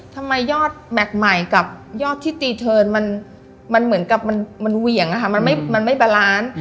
ยอดแม็กซ์ใหม่กับยอดที่ตีเทิร์นมันเหมือนกับมันเหวี่ยงอะค่ะมันไม่บาลานซ์